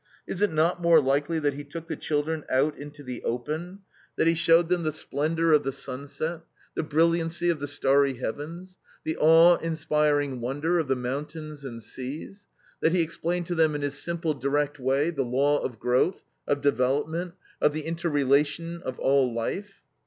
Is it not more likely that he took the children out into the open, that he showed them the splendor of the sunset, the brilliancy of the starry heavens, the awe inspiring wonder of the mountains and seas; that he explained to them in his simple, direct way the law of growth, of development, of the interrelation of all life?